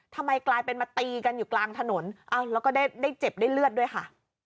ทำไมกลายเป็นมาตีกันอยู่กลางถนนแล้วก็ได้เจ็บได้เลือดด้วยค่ะ